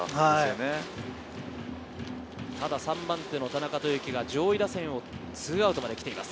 ただ３番手の田中豊樹が上位打線を抑えて、２アウトまで来ています。